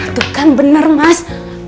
itu kan bener mas